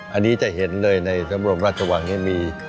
อันนี้จะเห็นเลยในสมรงค์ราชวังมี